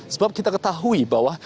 sebab kita ketahui bahwa